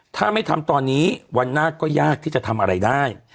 ถ้าไม่ทำตอนนี้วันหน้าก็ยากที่จะทำอะไรได้